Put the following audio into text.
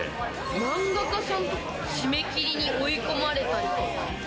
漫画家さんとか、締め切りに追い込まれたりとか。